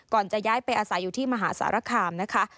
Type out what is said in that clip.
จะย้ายไปอาศัยอยู่ที่มหาสารคามนะคะ